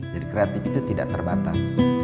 jadi kreatif itu tidak terbatas